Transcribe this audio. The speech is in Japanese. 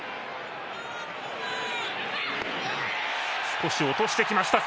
少し落としてきました。